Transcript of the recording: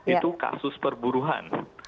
itu kasus perburuhan